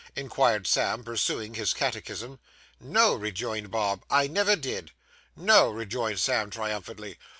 inquired Sam, pursuing his catechism. 'No,' rejoined Bob, 'I never did.' 'No!' rejoined Sam triumphantly.